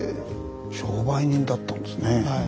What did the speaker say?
商売人だったんですね。